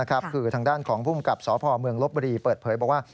คือทางด้านของภูมิกับสพเมืองลบบุรีเปิดเผยบอกว่า